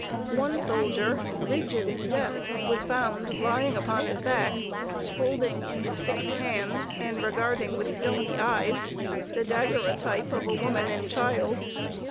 One soldier, rigid in death, was found lying upon the back, holding in his fixed hand, and regarding with stony eyes, the daguerreotype of a woman and child.